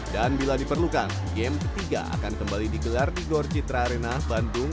dan bila diperlukan game ketiga akan kembali digelar di gor citra arena bandung